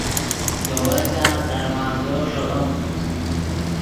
دے ون لاست درمندو ݰیغیم